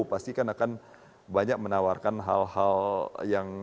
pasti kan akan banyak menawarkan hal hal yang